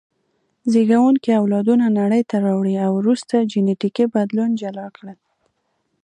زېږوونکي اولادونه نړۍ ته راوړي او وروسته جینټیکي بدلون جلا کړل.